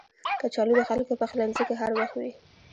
کچالو د خلکو په پخلنځي کې هر وخت وي